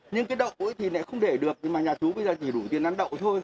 nhưng cái đậu ấy thì lại không để được nhưng mà nhà tú bây giờ chỉ đủ tiền ăn đậu thôi